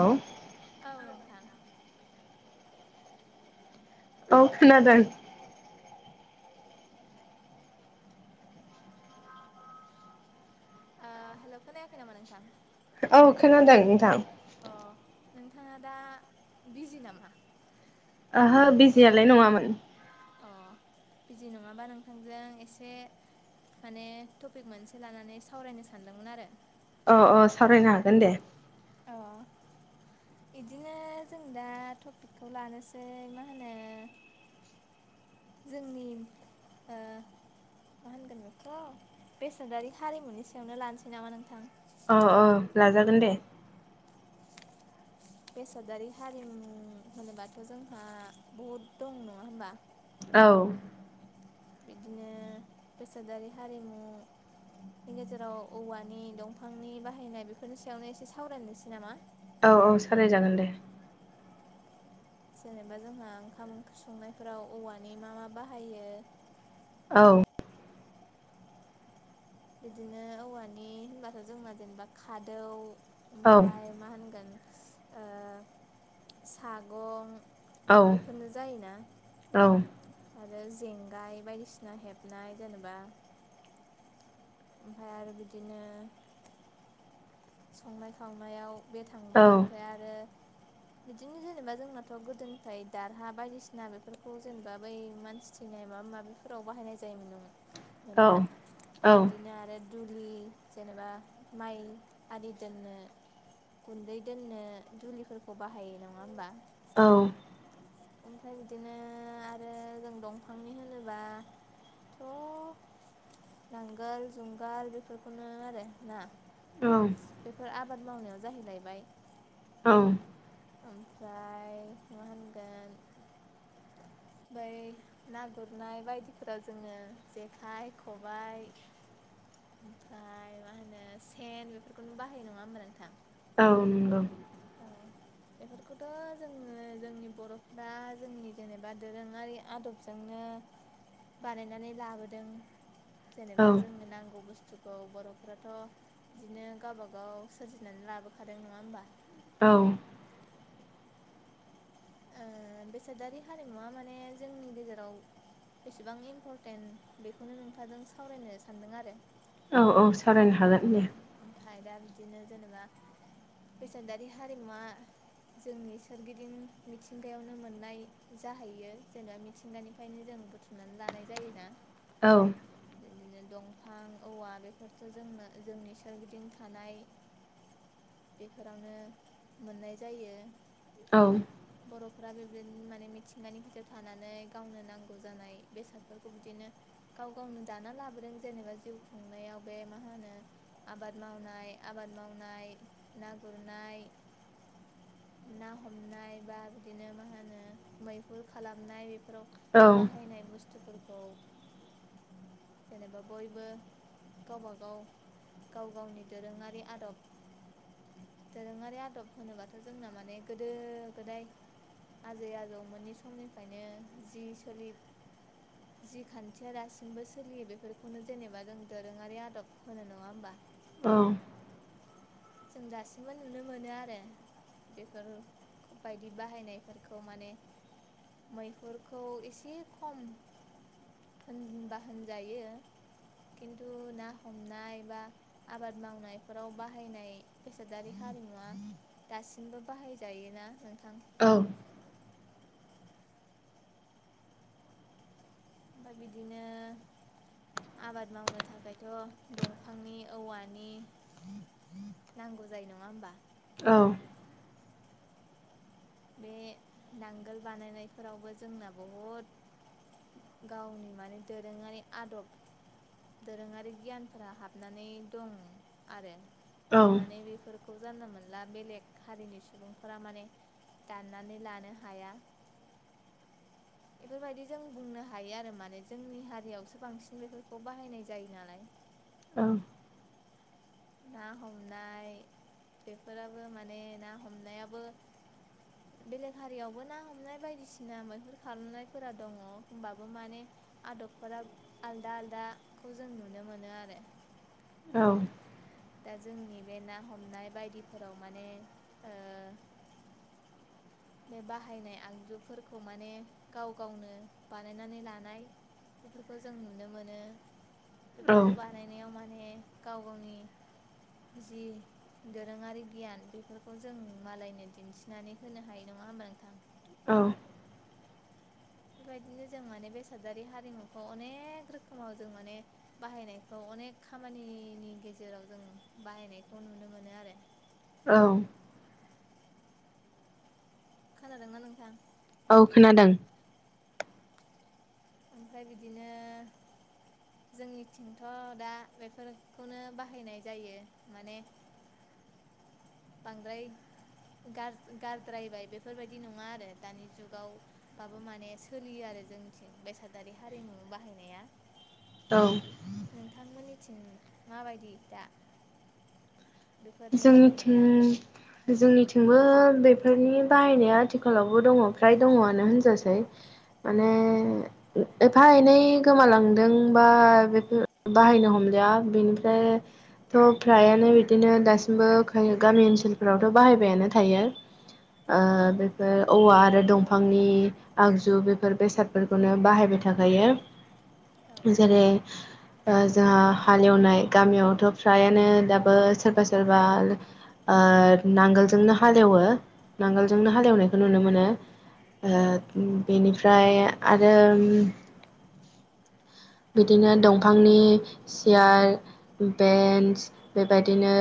औ औ नोंथां औ खोनादों ओ हेलौ खोनायाखै नामा नोंथां औ खोनादों नोंथां अ नोंथांङा दा बिजि नामा ओहो बिजियालाय नंङामोन अ बिजि नंङाबा नोंथांजों एसे माने टपिक मोनसे लानानै सावरायनो सानदोंमोन आरो अ अ सावरायनो हागोन दे अ बिदिनो जों दा टपिकखौ लानोसै मा होनो जोंनि ओ मा होनगोन बेखौ' बेसेनादारि हारिमुनि सायावनो लानोसै नामा नोंथां औ औ लाजागोन दे बेसादारि हारिमु होनोबाथ' जोंहा बहुद दं नंङा होमबा औ बिदिनो बेसादारि हारिमु नि गेजेराव औवानि दंफांनि बाहायनाय बेफोरनि सायावनो एसे सावरायनोसै नामा औ औ सावरायजागोन दे जेनेबा जोंहा ओंखाम ओंख्रि संनायफोराव औवानि मा मा बाहायो औ बिदिनो औवानि होनबाथ' जोंना जेनेबा खादौ औ ओमफ्राय मा होनगोन सागं औ बेफोरनो जायोना औ आरो जेंगाय बायदिसिना हेबनाय जेनेबा ओ ओ ओमफ्राय आरो बिदिनो संनाय खावनायाव बे औ थांबाय ओमफ्राय आरो। बिदिनो जेनेबा जोंनाथ' गोदोनिफ्राय दारहा बायदिसिना बेफोरखौ जेनेबा बै मानसि थैनाय माबा-माबिआव फोराव बाहायनाय जायोमोन मोना औ बिदिनो आरो दुलि जेनेबा माइ आरि दोननो गुन्दै दोननो दुलिफोरखौ बाहायो नंङा होमबा? औ। ओमफ्राय बिदिनो आरो जों दंफांनि होनोब्ला। थ' नांगोल जुंगाल बेफोरखौनो आरो ना औ। बेफोर आबाद मावनायाव जाहैलायबायो औ। ओमफ्राय मा होनगोन बै ना गुरनाय बायदिफोराव जोङो जेखाइ, खबाइ ओमफ्राय मा होनो सेन बेफोरखौनो बाहायो नङा होमबा नोंथां? औ नंगौ। औ। बेफोरखौथ' जोङो जोंनि बर'फ्रा जोंनि जेनेबा दोरोङारि आदबजों जोंनो बानायना लाबोदों औ जेन'बा जोंनि नांगौओ बुस्थुखौ बर'फ्राथ' बिदिनो गावबागाव सोरजिनानै लाबोखादों नङा होमबा? औ। ओ बेसादारि हारिमुवा माने जोंनि गेजेराव बेसेबां इम्परटेन्ट बेखौनो नोंथांजों सावरायनो सानदों आरो। औ औ सावरायनो हागोन उम दे। ओमफ्राय दा बिदिनो जेनेबा फैसादारि हारिमुवा जोंनि सोरगिदिं मिथिंगायावनो मोननाय जाहैयो जेनेबा मिथिंगानिफ्रायनो जों बुथुमनानै लानाय जायोना। औ [unintelligible] जेरै दंफां औवा बेफोरथ' जोंनो जोंनि सोरगिदिं थानाय बेफोरावनो मोननाय जायो। औ। बर'फ्रा बेबायदिनो माने मिथिंगानि खाथियाव थानानै गावनो नांगौ जानाय बेसादफोरखौ बिदिनोओ गाव गावनो दाना लाबोदों जेनेबा जिउ खुंनायाव बे मा होनो आबाद-मावनाय आबाद मावनाय ना गुरनाय ना हमनाय बा बिदिनो मा होनो मैहुर खालामनाय बेफोराव। औ औ बाहायनाय बुस्थुफोरखौओ जेनेबा बयबो गावबागावो गाव गावनि दोरोङारि आदबबो दोरोङारि आदब होनोबाथ' जोंना माने गोदो गोदाय आजै-आजौ मोनै समनिफ्रायनो जि सोलि जि खान्थिया दासिमबो सोलियो बेफोरखौनो जेनेबा जों दोरोङारि आदब होनो नङा होमबा? औ। जों दासिमबो नुनो मोनो आरो। बेफोरबायदि बाहायनायफोरखौ माने मैहुरखौ एसे खम होनबा होनजायो। खिन्थु ना हमनाय बा आबाद मावनायफोराव बाहायनायो बेसादारि हारिमुवा दासिमबो बाहायजायोना नोंथां। औ ओमफ्राय बिदिनो आबाद मावनो थाखायथ' दंफांनि औवानि नांगौ जायो नङा होमबा। औ बे नांगोल बानायनायफोरावबो जोंना बहुद गावनि माने दोरोङारि आदब दोरोङारि गियानफोरा हाबनानै दं आरो। माने बेफोरखौ जानला मोनला बेलेग हारिनि सुबुंफोरा माने दाननानै लानो हाया। बेफोरबायदि जों बुंनो हायो आरो माने जोंनि हारियावसो बांसिन बेफोरखौ बाहायनाय जायो नालाय। औ ना हमनाय बेफोराबो माने ना हमनायाबो [inaudible] बेलेग हारियावबो ना हमनाय बायदिसिना मैहुर खालामनायफोरा दङ होनबाबो माने आदबफोरा आलदा आलदाखौ जों नुनो मोनो आरो। औ दा जोंनि बे ना हमनाय बायदिफोराव माने ओ बे बाहायनाय आगजुफोरखौ माने गाव गावनो बानायनानै लानाय बेफोरखौ जों नुनो मोनो औ बेफोरखौ बानायनायाव माने गाव गावनि जि दोरोङारि गियान बेफोरखौ जों मालायनो दिन्थिनानै होनो हायो। न‌ङा होनबा नोंथां। औ बेबायदिनो जों माने बेसादारि हारिमुखौ अनेक रोखोमाव जों माने बाहायनायखौ अनेक खामानिनि गेजेराव जों बाहायनायखौ नुनो मोनो आरो। औ खोनादों ना नोंथां? औ खोनादों। ओमफ्राय बिदिनो जोंनिथिंथ' दा बेफोरखौनो बाहायनाय जायो माने बांद्राय गारद्रायबाय बेफोरबायदि नङा आरो दानि जुगाव दाबो माने सोलियो आरो जोंनिथिं बेसादारि हारिमु बाहायनाया। औ नोंथांमोननिथिं माबायदि दा? बेफोरनि बाहायनाया जोंनिथिं जोंनिथिंबो बेफोरनि बाहायनाया आथिखालावबो दङ फ्राय दङआनो होनजासै। माने एफा एनै गोमालांदोंबा बेफोर बाहायनो हमलिया बेनिफ्राय थ' फ्रायानो बिदिनो दासि बो गामि ओनसोलफोरावथ' बाहायबायानो थायो। औ औ ओ औवा आरो दंफांनि आगजु बेफोर बेसादफोरखौनो बाहायबाय थाखायो। औ जेरै जोंहा हालेवनाय गामियावथ' फ्रायानो दाबो सोरबा सोरबा ओ नांगोलजोंनो हालेवो नांगोलजोंनो हालेवनायखौ नुनो मोनो। औ ओ बेनिफ्राय आरो बिदिनो दंफांनि सियार बेन्स बेबायदिनो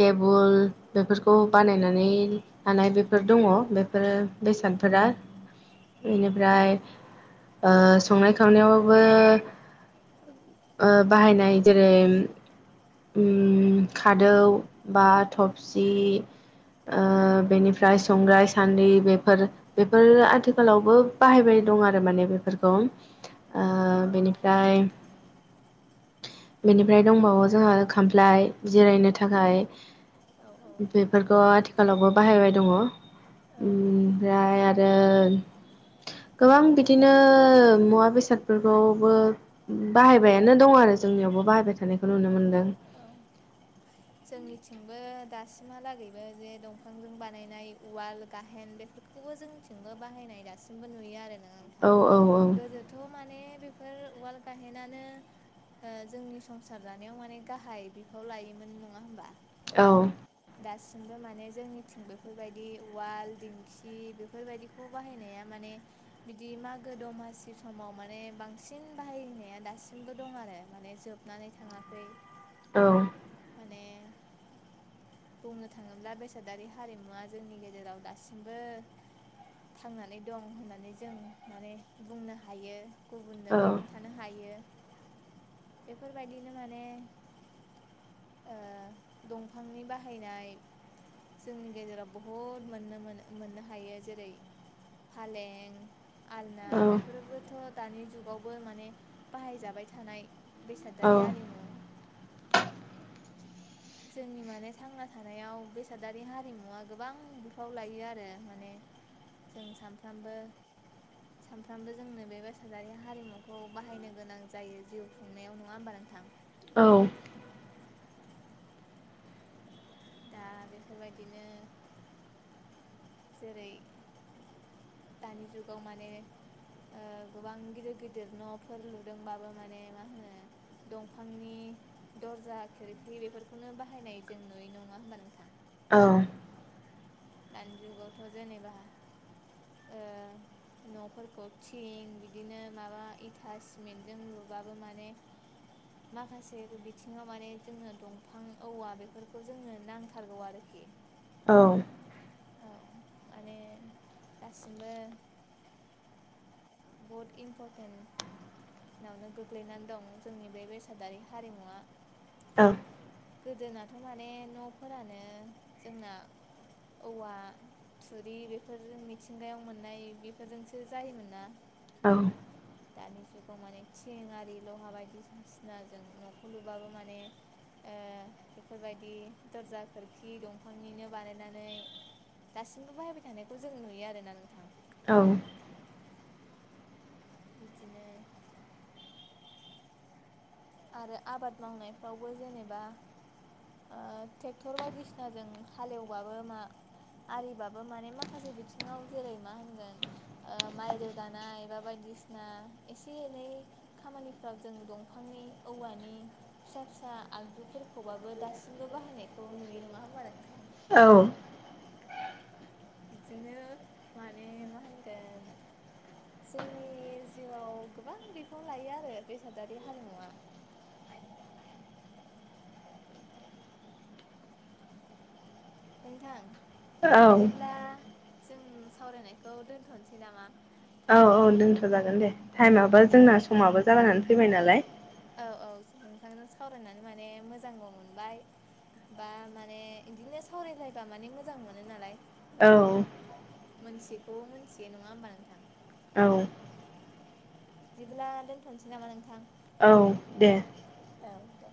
टेबोल बेफोरखौ बानायनानै लानाय बेफोर दङ बेफोरो बेसादफोरा बेनिफ्राय संनाय खावनायावबो बाहायनाय जेरै खादौ बा थबसि बेनिफ्राय संग्राय सानद्रि बेफोर बेफोरो आथिखालावबो बाहायबाय दं आरो माने बेफोरखौ आ औ नंगौ बेनिफ्राय नोंथां बेनिफ्राय दंबावो जोंहा खामफ्लाय जिरायनो थाखाय औ औ बेफोरखौ आथिखालावबो बाहायबाय दङ औ ओमफ्राय आरो गोबां बिदिनो मुवा बेसादफोरखौबो बाहायबायानो दं आरो जोंनियावबो बाहायबाय थानायखौ नुनो मोनदों औ जोंनिथिंबो दासिमहालागैबो जे दंफांजों बानायनाय उवाल गाहेन बेफोरखौ खौबो जोंनिथिंबो बाहायनाय दासिमबो नुयो आरो औ नोंथां औ औ गोदो थ' माने बेफोर उवाल गायहेनो जोंनि संसार जानायाव माने गाहाय बिफाव लायोमोन नंङा होमबा औ दासिमबो माने जोंनिथिं बेफोरबायदि उवाल दिंखि बेफोरबायदि खौ बाहायनाया माने बिदि मागो दमासि समाव माने बांसिन बाहायनाया दासिमबो दं आरो माने जोब नानै थांङाखै औ माने बुंनो थाङोब्ला बेसादारि हारिमुवा जोंनि गेजेराव दासिमबो थांनानै दं होननानै जों माने बुंनो हायो गुबुननोबो औ खोन्थ थानो हायो बेफोरबायदिनो माने दंफांनि बाहायनाय जोंनि गेजेराव बहुद मोननो मो मोननो हायो जेरै फालें आलना बेफोरबोथ' दानि जुगावबो माने बाहायजाबाय थानाय बेसादारि आरिमु जोंनि माने थांना थानायाव बेसादारि हारिमुवा गोबां बिफाव लायो आरो माने जों सानफ्रामबो सानफ्रामबो जोंनो बे बेसादारि हारिमुखौ बाहायनो गोनां जायो जिउ खुंनायाव नङा होमबा नोंथां औ दा बेफोरबायदिनो जेरै दानि जुगाव माने गोबां गिदिर गिदिर न'फोर लुदोंबाबो माने मा होनो दंफांनि दरजा खिरखि बेफोरखौनो बाहायनाय जों नुयै नङा होमबा नोंथां औ दानि जुगावथ' जेनेबा ओ न'फोरखौ थिं बिदिनो माबा इथा सिमेन्टजों लुबाबो माने माखासे बिथिङाव माने जोंनो दंफां औवा बेफोरखौ जोंनो नांथारगौ आरोखि औ औ माने दासिमबो बहुद इम्पर्टेन्ट नावनो गोग्लैनानै दं जोंनि बे बेसादारि हारिमुवा औ गोदोनाथ' माने न'फोरानो जोंना औवा थुरि बेफोरजों मिथिंगायाव मोननाय बेफोरजोंसो जायोमोन ना औ दानि जुगाव माने थिं आरि लहा बायदिसिसिना जों न'खौ लुबाबो माने बेफोरबायदि दरजा खोरखि दंफांनिनो बानायनानैनो दासिमबो बाहायबाय थानायखौ जों नुयो आरोना नोंथां। औ। बिदिनो आरो आबाद मावनायफ्रावबो जेनेबा ओ ट्रेक्टर बायदिसिनाजों हालेवबाबो मावो आरिबाबो माने माखासे बिथिंङाव जेरै मा होनगोन। माइ रोगानाय बा बायदिसिना एसे एनै खामानिफ्राव जों दंफांनि औवानि फिसा फिसा आगजुफोरखौबाबो ओ दासिमबो बाहायनायखौ नुयो नंङा होनोमोनबा नोंथां। औ। बिदिनो माने मा होनगोन। जोंनि जिउआव गोबां बिफां लायो आरो बेसादारि हारिमुवा नोंथां औ औ बिदिब्ला जों सावरायनायखौ दोनथ'नोसै नामा? औ औ दोनथ' जागोन दे टाइमाबो औ जोंना समाबो जानानै फैबाय नालाय औ औ नोंथांनो सावरायनानै माने मोजांबो मोनबाय। बा माने बिदिनो सावरायलायबा माने मोजां मोनो नालायो औ। मोनथियिखौ मोनथियो नङा होमबा नोंथां। औ बिदिब्ला दोनथ'नोसै नामा नोंथां। औ दे। औ दे।